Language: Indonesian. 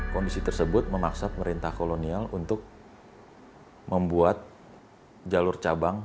kondisi tersebut memaksa pemerintah kolonial untuk membuat jalur cabang